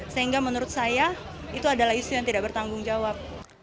sehingga menurut saya itu adalah isu yang tidak bertanggung jawab